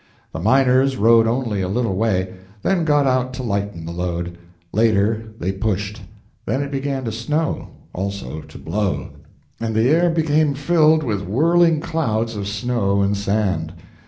The miners rode only a little way, then got out to lighten the load. Later they pushed. Then it began to snow, also to blow, and the air became filled with whirling clouds of snow and sand.